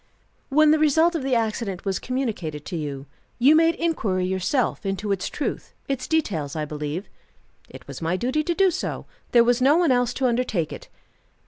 "When the result of the accident was communicated to you, you made inquiry yourself into its truth, its details, I believe?" "It was my duty to do so. There was no one else to undertake it."